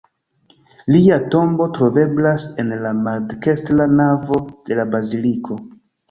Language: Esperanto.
Lia tombo troveblas en la maldekstra navo de la baziliko.